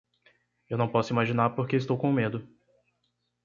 Eu não posso imaginar porque estou com medo